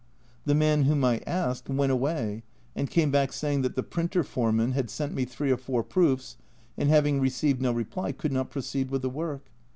The man whom I asked went away and came back saying that the printer foreman had sent me three or four proofs, and having received no reply could not proceed with the work.